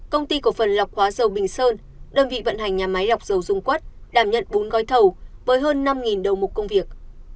công ty cổ phần lọc hóa dầu bình sơn đơn vị vận hành nhà máy lọc dầu dung quất đảm nhận bốn gói thầu với hơn năm đầu mục công việc